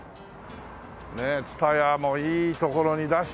ねえ蔦屋もいい所に出したよね！